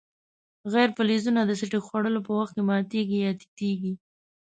غیر فلزونه د څټک خوړلو په وخت کې ماتیږي یا تیتیږي.